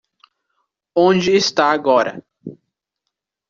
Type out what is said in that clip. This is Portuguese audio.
Onde está agora?